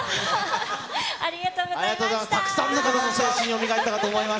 たくさんの方の青春がよみがえったかと思います。